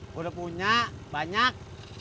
gue udah punya banyak